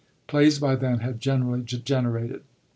Plays by then had generally degenerated.